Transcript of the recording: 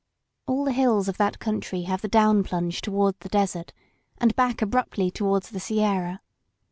All the hills of that country have the down plunge toward the desert and back abruptly toward the Sierra.